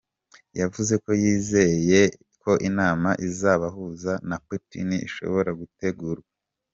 Yavuze ko yizeye ko inama izobahuza na Putin ishobora gutegurwa.